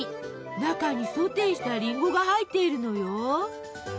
中にソテーしたりんごが入っているのよ！